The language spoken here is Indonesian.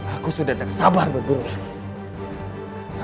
aku sudah tak sabar berbunuh lagi